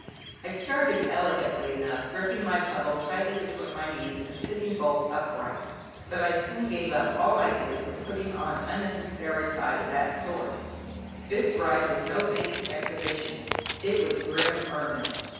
I started elegantly enough, gripping my pummel tightly between my knees, and sitting bolt upright, but I soon gave up all ideas of putting on unnecessary "side" of that sort; this ride was no fancy exhibition, it was grim earnest.